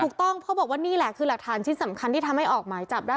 ถูกต้องเพราะบอกว่านี่แหละคือหลักฐานชิ้นสำคัญที่ทำให้ออกหมายจับได้